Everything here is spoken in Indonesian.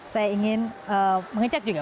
saya ingin mengecek juga